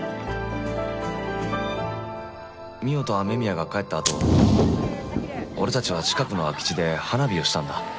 望緒と雨宮が帰ったあと俺たちは近くの空き地で花火をしたんだ。